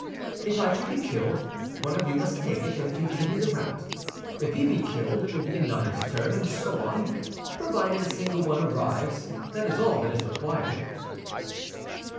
"If I should be killed, one of you must take it, and continue the route; if he be killed, it will be another's turn, and so on—provided a single one arrives, that is all that is required."